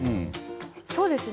そうですね。